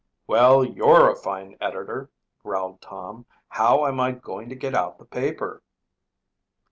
"Well, you're a fine editor," growled Tom. "How am I going to get out the paper?"